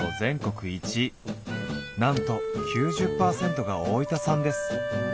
なんと９０％が大分産です。